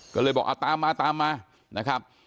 ก็เลยบอกเอาตามมาตามมานะครับ